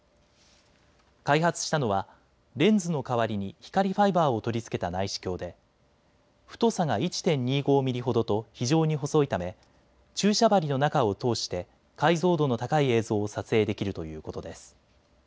開発したのはレンズの代わりに光ファイバーを取り付けた内視鏡で太さが１．２５ミリほどと非常に細いため注射針の中を通して解像度の高い映像を撮影できるということです。